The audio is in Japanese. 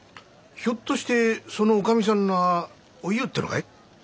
ひょっとしてそのおかみさんの名はお夕っていうのかい？